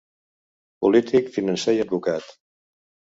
Polític, financer i advocat.